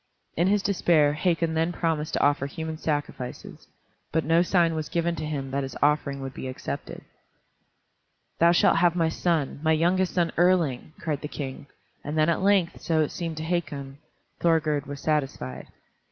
In his despair Hakon then promised to offer human sacrifices, but no sign was given to him that his offering would be accepted. "Thou shalt have my son, my youngest son Erling!" cried the King, and then at length, so it seemed to Hakon, Thorgerd was satisfied.